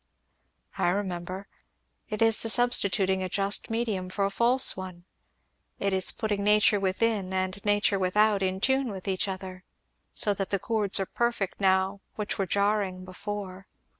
"I remember. It is the substituting a just medium for a false one it is putting nature within and nature without in tune with each other, so that the chords are perfect now which were jarring before."